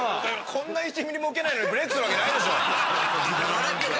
こんな１ミリもウケないのにブレイクするわけないでしょ。